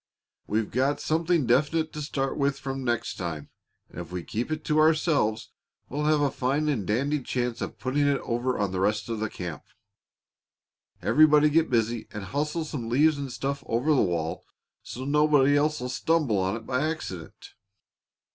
We've got something definite to start from next time; and if we keep it to ourselves, we'll have a fine and dandy chance of putting it over on the rest of the camp. Everybody get busy and hustle some leaves and stuff over the wall so nobody else'll stumble on it by accident."